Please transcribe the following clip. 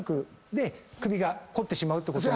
で首が凝ってしまうってこともあるんで。